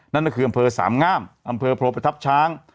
นั่นก็คืออำเภอสามงามอำเภอโพประทับช้าง